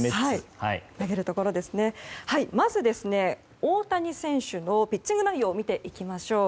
まず大谷選手のピッチング内容を見ていきましょう。